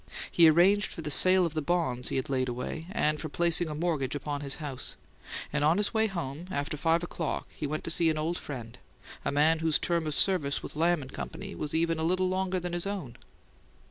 He arranged for the sale of the bonds he had laid away, and for placing a mortgage upon his house; and on his way home, after five o'clock, he went to see an old friend, a man whose term of service with Lamb and Company was even a little longer than his own.